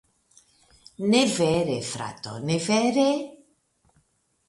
Ne vere, frato, ne vere?